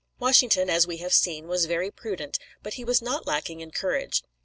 Washington, as we have seen, was very prudent; but he was not lacking in courage.